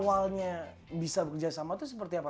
awalnya bisa bekerjasama itu seperti apa